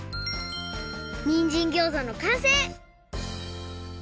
にんじんギョーザのかんせい！